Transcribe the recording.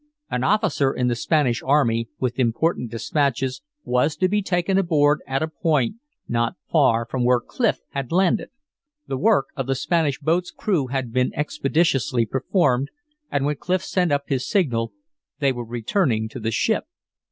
An officer in the Spanish army, with important dispatches, was to be taken aboard at a point not far from where Clif had landed. The work of the Spanish boat's crew had been expeditiously performed, and when Clif sent up his signal, they were returning to the ship.